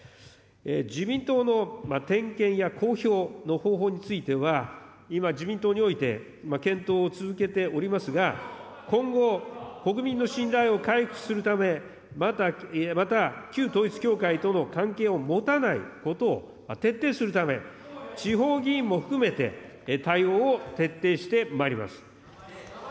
自民党の点検や公表の方法については、今、自民党において検討を続けておりますが、今後、国民の信頼を回復するため、また旧統一教会との関係を持たないことを徹底するため、地方議員も含めて対応を徹底してまいります。